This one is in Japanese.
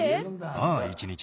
ああ一日で。